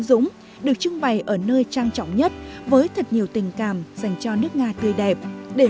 dũng được trưng bày ở nơi trang trọng nhất với thật nhiều tình cảm dành cho nước nga tươi đẹp để